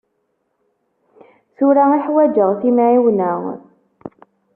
Tura i ḥwaǧeɣ timεiwna.